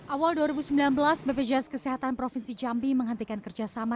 awal dua ribu sembilan belas bpjs kesehatan provinsi jambi menghentikan kerjasama